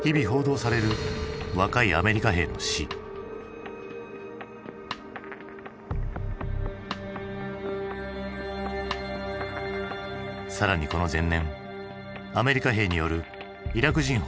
更にこの前年アメリカ兵によるイラク人捕虜の虐待が発覚。